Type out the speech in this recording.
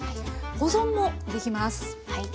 保存もできます。